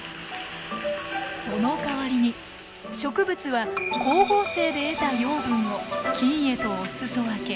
そのかわりに植物は光合成で得た養分を菌へとお裾分け。